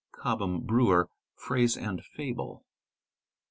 (Cobham Brewer, " Phrase and Fable.